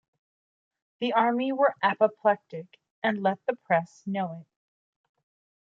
The Army were apoplectic, and let the press know it.